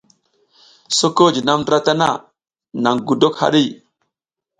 Soko jinam ndra tana naƞ gudok haɗi.